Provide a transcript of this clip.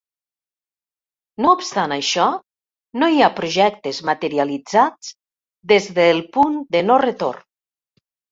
No obstant això, no hi ha projectes materialitzats des del punt de no retorn.